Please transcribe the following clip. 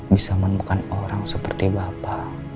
bisa menemukan orang seperti bapak